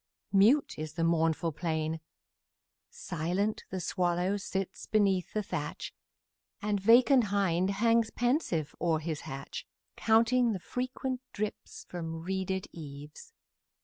Mute is the mournful plain; Silent the swallow sits beneath the thatch, And vacant hind hangs pensive o'er his hatch, Counting the frequent drips from reeded eaves.